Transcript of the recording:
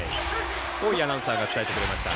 厚井アナウンサーが伝えてくれました。